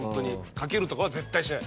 かけるとかは絶対しない。